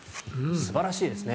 素晴らしいですね。